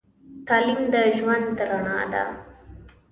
تعليم د ژوند رڼا ده.